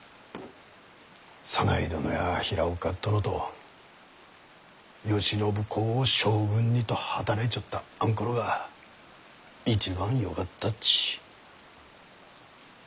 左内殿や平岡殿と「慶喜公を将軍に」と働いちょったあんころが一番よかったち。